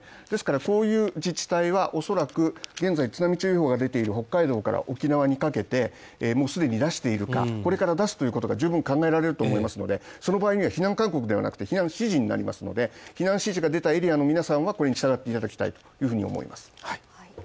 ですからこういう自治体は恐らく現在津波注意報が出ている北海道から沖縄にかけてもうすでに出しているか、これから出すということが考えられますのでその場合には避難勧告ではなくて避難指示になりますので、避難指示が出たエリアの皆さんは従っていただきたいと思います。